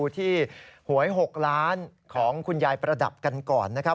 ที่หวย๖ล้านของคุณยายประดับกันก่อนนะครับ